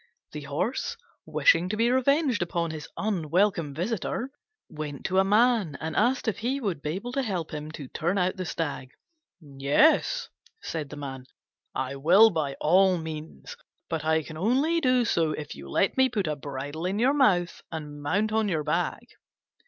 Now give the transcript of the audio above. The Horse, wishing to be revenged upon his unwelcome visitor, went to a man and asked if he would help him to turn out the Stag. "Yes," said the man, "I will by all means; but I can only do so if you let me put a bridle in your mouth and mount on your back."